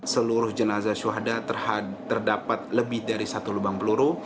seluruh jenazah syuhada terdapat lebih dari satu lubang peluru